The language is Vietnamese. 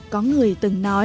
có người từng nói